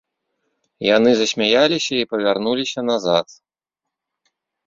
Яны засмяяліся і павярнуліся назад.